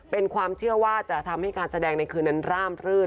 เป็นความเชื่อว่าจะทำให้การแสดงในคืนนั้นร่ามรื่น